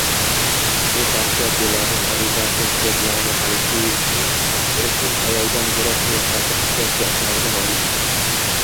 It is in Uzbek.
Bu parcha belarus adibasi Svetlana Aleksievichning Urushning ayoldan yiroq qiyofasi hujjatli asaridan olindi